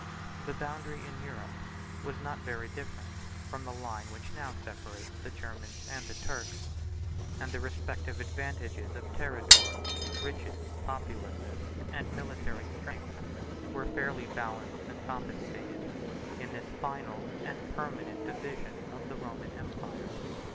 The boundary in Europe was not very different from the line which now separates the Germans and the Turks; and the respective advantages of territory, riches, populousness, and military strength, were fairly balanced and compensated, in this final and permanent division of the Roman empire.